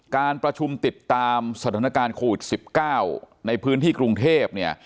การประชุมติดตามสถานการณ์โควิด๑๙ในพื้นที่กรุงเทพเนี่ย